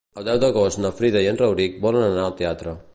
El deu d'agost na Frida i en Rauric volen anar al teatre.